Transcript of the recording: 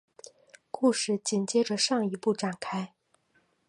故事紧接着上一部展开。